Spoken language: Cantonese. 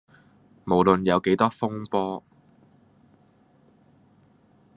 無論有幾多風波